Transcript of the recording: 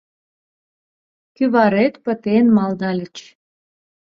Кӱварет пытен, малдальыч -